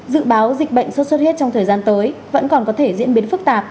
dự báo dịch bệnh sốt xuất huyết trong thời gian tới vẫn còn có thể diễn biến phức tạp